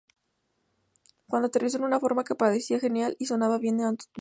Cuando aterrizó en una forma que parecía genial y sonaba bien, la anotó.